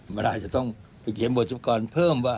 แมลายจะต้องเขียนบทชุมกรเพิ่มว่า